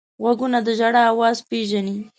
غوږونه د ژړا اواز پېژني